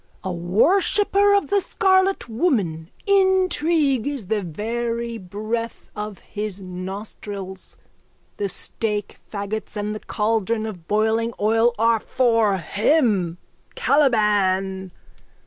A worshipper of the Scarlet Woman, intrigue is the very breath of his nostrils. The stake faggots and the caldron of boiling oil are for him. Caliban!